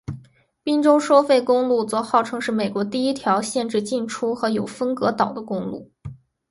宾州收费公路则号称是美国第一条限制进出和有分隔岛的公路。